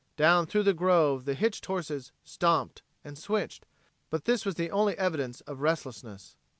Down through the grove the hitched horses "stomped" and switched, but this was the only evidence of restlessness.